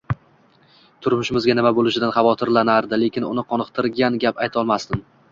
Turmushimizga nima bo‘lishidan xavotirlanardi, lekin uni qoniqtiradigan gap aytolmasdim